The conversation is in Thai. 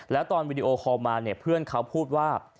และตอนวิดีโอคอมาเพื่อนเขาพูดว่า